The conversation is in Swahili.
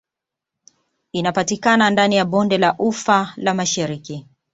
Inapatikana ndani ya Bonde la ufa la Mashariki